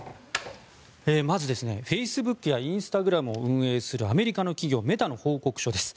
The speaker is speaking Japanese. まず、フェイスブックやインスタグラムを運営するアメリカの企業メタの報告書です。